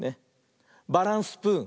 「バランスプーン」！